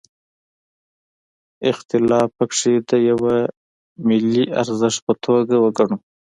اختلاف پکې د یوه ملي ارزښت په توګه وګڼو.